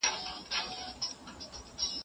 د ګرګين پوځيان ولي د ښاره ووتل؟